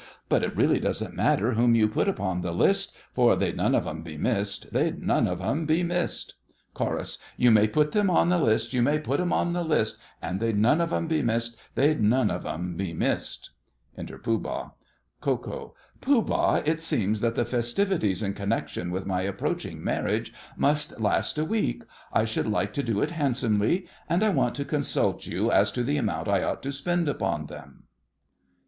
But it really doesn't matter whom you put upon the list, For they'd none of 'em be missed—they'd none of 'em be missed! CHORUS. You may put 'em on the list—you may put 'em on the list; And they'll none of 'em be missed—they'll none of 'em be missed! Enter Pooh Bah. KO. Pooh Bah, it seems that the festivities in connection with my approaching marriage must last a week. I should like to do it handsomely, and I want to consult you as to the amount I ought to spend upon them.